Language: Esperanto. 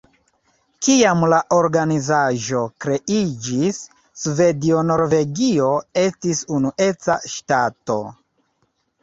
Kiam la organizaĵo kreiĝis, Svedio-Norvegio estis unueca ŝtato.